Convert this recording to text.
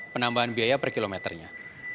penambahan biaya per kilometernya